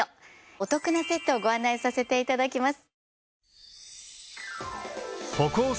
お得なセットをご案内させていただきます。